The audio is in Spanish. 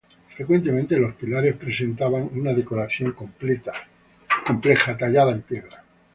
Frecuentemente los pilares presentaban una decoración compleja tallada en piedra.